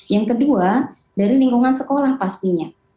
yang kedua dari lingkungan sekolah pastinya